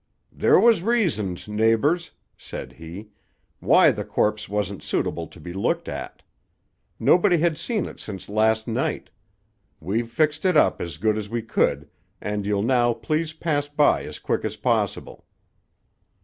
"There was reasons, neighbors," said he, "why the corpse wasn't suitable to be looked at. Nobody had seen it since last night. We've fixed it up as good as we could, and you'll now please pass by as quick as possible."